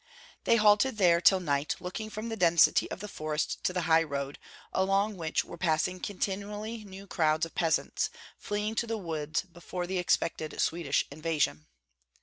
They halted there till night, looking from the density of the forest to the high road, along which were passing continually new crowds of peasants, fleeing to the woods before the expected Swedish invasion.